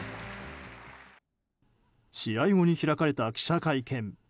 試合後に開かれた記者会見。